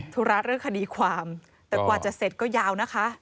ธุระเรื่องคดีความแต่กว่าจะเสร็จก็ยาวนะคะ